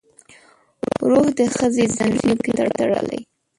روح د ښځې ځنځیرونو کې تړلی